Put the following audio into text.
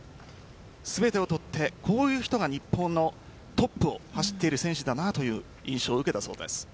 全てを取ってこういう人が、日本のトップを走っている選手だなという印象を受けたそうです。